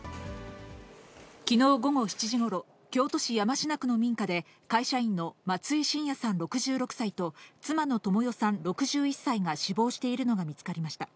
きのう午後７時ごろ、京都市山科区の民家で、会社員の松井晋也さん６６歳と、妻の倫代さん６１歳が死亡しているのが見つかりました。